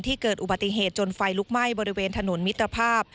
เกิดอุบัติเหตุจนไฟลุกไหม้บริเวณถนนมิตรภาพ